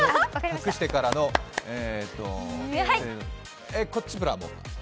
隠してからのこっち、プラモ？